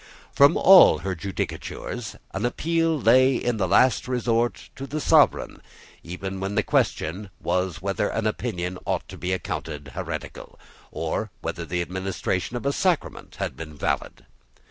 From all her judicatures an appeal lay, in the last resort, to the sovereign, even when the question was whether an opinion ought to be accounted heretical, or whether the administration of a sacrament had been valid.